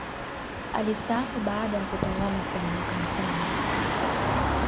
alistaafu baada ya kutawalakwa miaka mitano